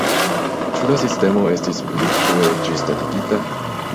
Ĉu la sistemo estis pli frue ĝisdatigita?